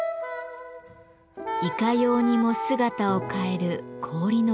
いかようにも姿を変える氷の芸術。